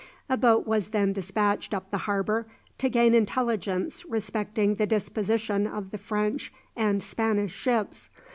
A boat was then despatched up the harbour to gain intelligence respecting the disposition of the French and Spanish ships.